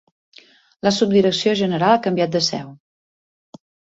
La Subdirecció general ha canviat de seu.